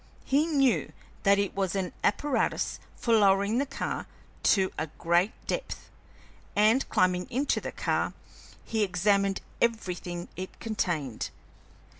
He knew that it was an apparatus for lowering the car to a great depth, and, climbing into the car, he examined everything it contained.